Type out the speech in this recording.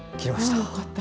あよかった。